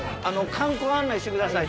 観光案内してください。